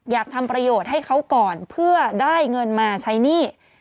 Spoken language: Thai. อยากทำประโยชน์ให้เขาก่อนเพื่อได้เงินมาใช้หนี้